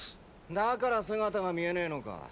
だから姿が見えねぇのか。